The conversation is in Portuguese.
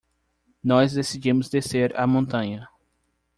Nós decidimos descer a montanha